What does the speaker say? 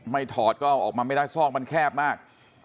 ถอดก็เอาออกมาไม่ได้ซอกมันแคบมาก